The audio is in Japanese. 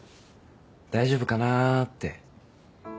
大丈夫かなって。